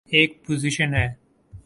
ایک پوزیشن ہے۔